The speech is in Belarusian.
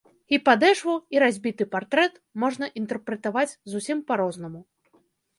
І падэшву, і разбіты партрэт можна інтэрпрэтаваць зусім па-рознаму.